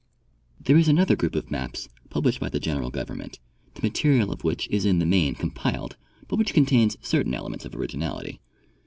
There is another group of maps published by the general gov ernment, the material of which is, in the main, compiled, but which contains certain elements of originality.